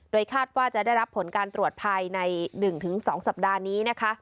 คาดว่าจะได้รับผลการตรวจภายใน๑๒สัปดาห์นี้นะคะ